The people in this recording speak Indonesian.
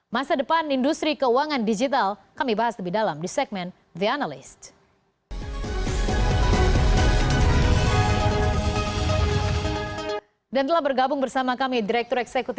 masa depan industri keuangan digital kami bahas lebih dalam di segmen the analyst